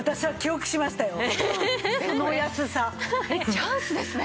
チャンスですね。